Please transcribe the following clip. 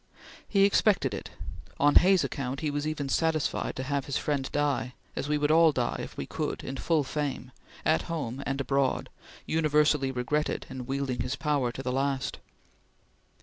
He expected it; on Hay's account, he was even satisfied to have his friend die, as we would all die if we could, in full fame, at home and abroad, universally regretted, and wielding his power to the last.